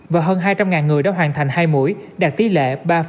và hơn hai trăm linh người đã hoàn thành hai mũi đạt tỷ lệ ba bốn